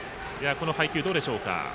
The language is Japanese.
この配球、どうでしょうか。